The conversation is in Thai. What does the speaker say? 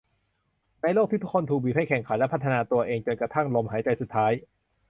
ในโลกที่ทุกคนถูกบีบให้แข่งขันและพัฒนาตัวเองจนกระทั่งลมหายใจสุดท้าย